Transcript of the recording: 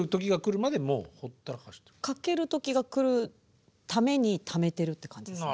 書ける時が来るためにためてるって感じです。